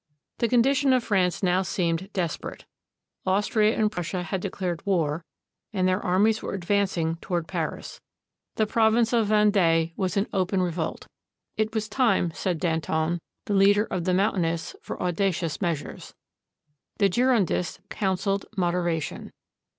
The condition of France now seemed desperate. Austria and Prussia had declared war and their armies were advanc ing toward Paris. The province of Vendee was in open re volt. It was time, said Danton, the leader of the Moun tainists, for audacious measures. The Girondists counseled moderation.